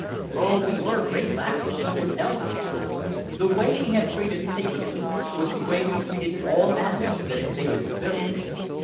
Oh, we were great laughers, I can tell you. The way we had treated Saber Tooth was the way we treated all animals that invaded the village.